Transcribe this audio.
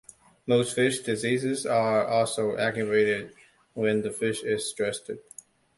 Most fish diseases are also aggravated when the fish is stressed.